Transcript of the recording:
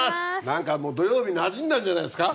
何かもう土曜日なじんだんじゃないですか？